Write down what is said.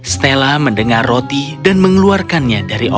stella mendengar roti dan mengeluarkannya dari orang